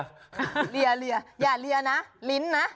เลียอย่าเลียนะลิ้นนะ